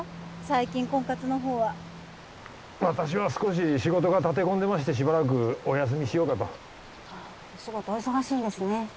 最近婚活の方は私は少し仕事が立て込んでましてしばらくお休みしようかとお仕事お忙しいんですね